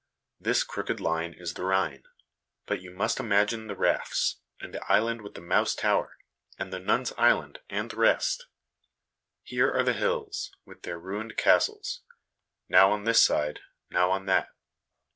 ' This crooked line is the Rhine ; but you must imagine the rafts, and the island with the Mouse Tower, and the Nuns' Island, and the rest. Here are the hills, with their ruined castles now on this side, now on that.